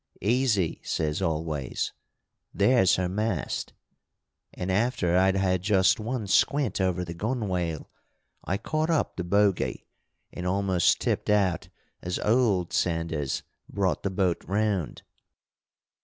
'Easy,' says Always, 'there's her mast.' And after I'd had just one squint over the gunwale, I caught up the bogey and almost tipped out as old Sanders brought the boat round.